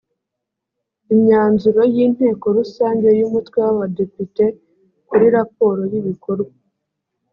imyanzuro y inteko rusange y umutwe w abadepite kuri raporo y ibikorwa